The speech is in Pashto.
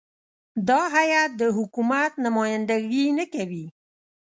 دا هیات د حکومت نمایندګي نه کوي.